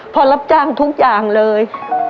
รับจ้างทุกอย่างเลย